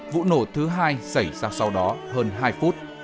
vụ nổ thứ hai xảy ra sau đó hơn hai phút